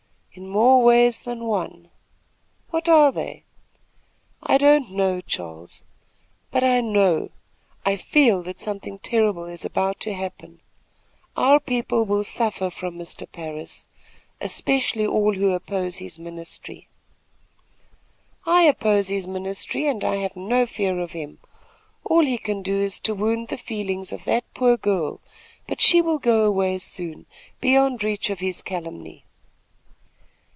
"In more ways than one." "What are they?" "I don't know, Charles; but I know I feel that something terrible is about to happen. Our people will suffer from Mr. Parris especially all who oppose his ministry." "I oppose his ministry, and I have no fear of him. All he can do is to wound the feelings of that poor girl; but she will go away soon, beyond reach of his calumny."